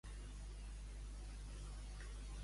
En Miguel s'ha pelat i ara té fred a la closca.